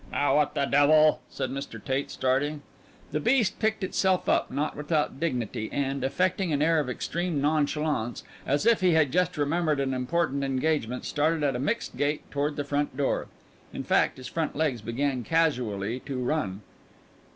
"Now what the devil!" said Mr. Tate, starting. The beast picked itself up not without dignity and, affecting an air of extreme nonchalance, as if he had just remembered an important engagement, started at a mixed gait toward the front door. In fact, his front legs began casually to run.